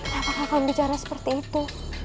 kenapa kakak bicara seperti itu